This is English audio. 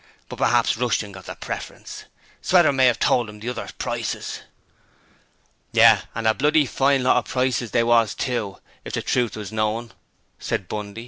But pr'aps Rushton got the preference Sweater may 'ave told 'im the others' prices.' 'Yes, and a bloody fine lot of prices they was, too, if the truth was known!' said Bundy.